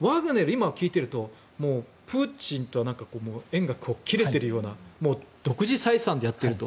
今、聞いているとプーチンと縁が切れてるような独自採算でやっていると。